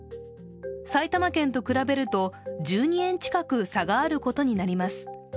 埼玉県と比べると１２円近く差があることになります。